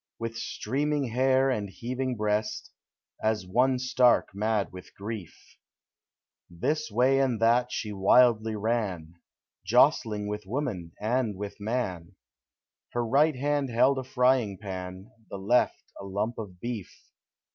With streaming hair and heaving breast, As one stark mad with grief. 50 POEMS OF HOME. This way and that she wildly ran, Jostling with woman and with man, — Her right hand held a frying pan, The left a lump of beef.